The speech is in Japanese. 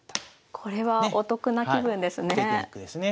これはお得な気分ですね。